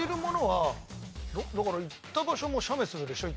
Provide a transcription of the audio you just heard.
だから行った場所も写メするでしょ？